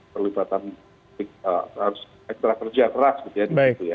perlibatan ekstra kerja keras gitu ya